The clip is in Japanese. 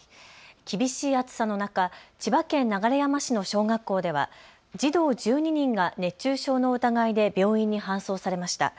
厳しい暑さの中、千葉県流山市の小学校では児童１２人が熱中症の疑いで病院に搬送されました。